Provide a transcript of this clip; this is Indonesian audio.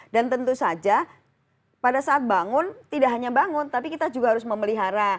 dan tentu saja pada saat bangun tidak hanya bangun tapi kita juga harus memelihara